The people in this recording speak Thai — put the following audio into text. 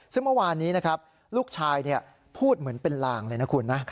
ซึ่งเมื่อวานนี้นะครับลูกชายพูดเหมือนเป็นลางเลยนะคุณนะ